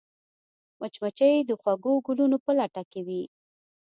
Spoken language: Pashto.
مچمچۍ د خوږو ګلونو په لټه کې وي